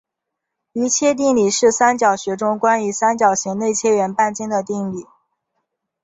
余切定理是三角学中关于三角形内切圆半径的定理。